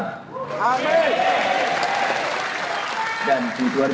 dan di dua ribu dua puluh empat psi akan ada di dpr ri